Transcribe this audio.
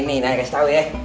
nih nah kasih tau ya